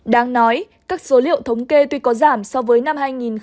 đáng nói các số liệu thống kê tuy có giảm so với năm hai nghìn hai mươi hai